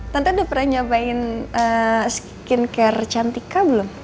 tante udah pernah nyobain skincare cantika belum